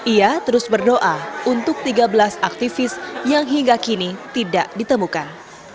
ia terus berdoa untuk tiga belas aktivis yang hingga kini tidak ditemukan